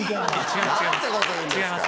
違います